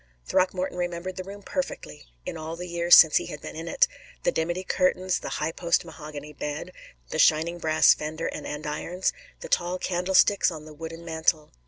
Throckmorton remembered the room perfectly, in all the years since he had been in it the dimity curtains, the high post mahogany bed, the shining brass fender and andirons, the tall candlesticks on the high wooden mantel.